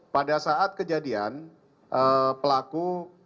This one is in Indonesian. pada saat kejadian pelaku